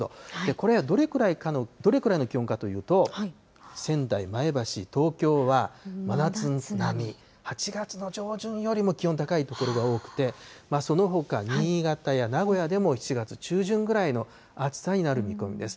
これはどれくらいの気温かというと、仙台、前橋、東京は真夏並み、８月の上旬よりも気温高い所が多くて、そのほか新潟や名古屋でも７月中旬ぐらいの暑さになる見込みです。